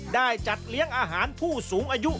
ได้จัดเลี้ยงอาหารผู้สูงอายุ